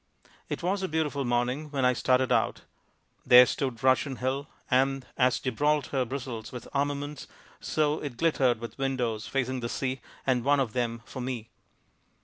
It was a beautiful morning when I started out. There stood Russian Hill and as Gibraltar bristles with armaments so it glittered with windows facing the sea and one of them for me.